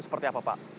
seperti apa pak